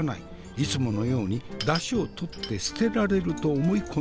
いつものようにダシをとって捨てられると思い込んでおる。